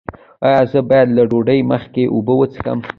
ایا زه باید له ډوډۍ مخکې اوبه وڅښم؟